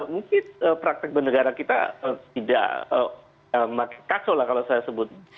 mungkin praktik bernegara kita tidak makin kaso lah kalau saya sebut